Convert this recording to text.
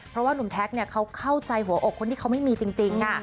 เพราะว่านุ่มแท็กเขาเข้าใจหัวอกคนที่เขาไม่มีจริงค่ะ